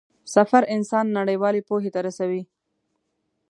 سفر انسان نړيوالې پوهې ته رسوي.